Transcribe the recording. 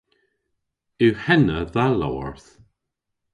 Yw henna dha lowarth?